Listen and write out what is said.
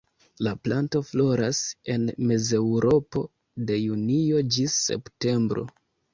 La planto floras en Mezeŭropo de junio ĝis septembro.